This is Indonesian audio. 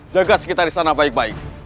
jaga sekitar istana baik baik